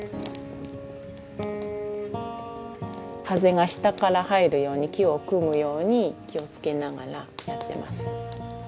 風が下から入るように木を組むように気を付けながらやってます。